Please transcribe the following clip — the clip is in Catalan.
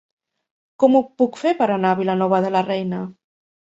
Com ho puc fer per anar a Vilanova de la Reina?